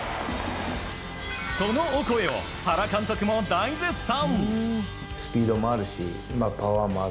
そのオコエを原監督も大絶賛。